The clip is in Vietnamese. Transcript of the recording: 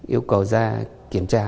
yêu cầu ra kiểm tra